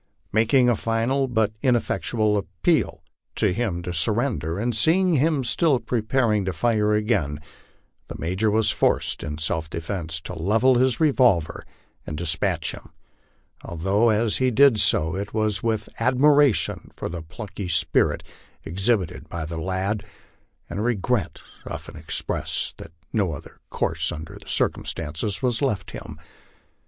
Making a final but ineffectual appeal to him to surrender, and seeing him still preparing to fire again, the Major was forced in self defence to level his revolver and des patch him, although as he did so it was with admiration for the plucky spirit Exhibited by the lad, and regret often expressed that no other course under Jhe circumstances was left him.